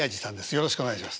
よろしくお願いします。